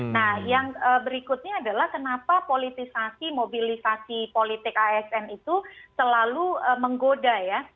nah yang berikutnya adalah kenapa politisasi mobilisasi politik asn itu selalu menggoda ya